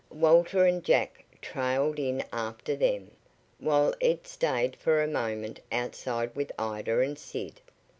Walter and Jack trailed in after them, while Ed stayed for a moment outside with Ida and Sid.